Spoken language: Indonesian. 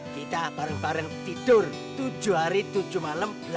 kita bareng bareng tidur tujuh hari tujuh malam